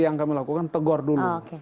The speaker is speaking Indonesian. yang kami lakukan tegur dulu